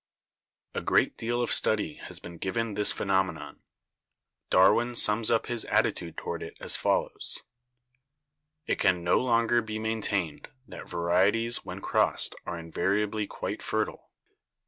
A great deal of study has been given this phenomenon. Darwin sums up his attitude toward it as follows : "It can no longer be maintained that varieties when crossed are invariably quite fertile.